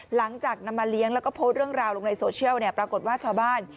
หลังจากนำมาเลี้ยงแล้วก็โพสต์เรื่องราวลงในโซเชียลเนี่ยปรากฏว่าชาวบ้าน